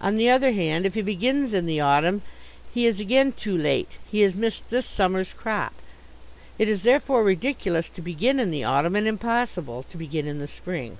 On the other hand if he begins in the autumn he is again too late; he has missed this summer's crop. It is, therefore, ridiculous to begin in the autumn and impossible to begin in the spring.